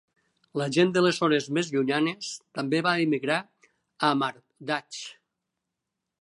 La gent de les zones més llunyanes també va emigrar a Marvdasht.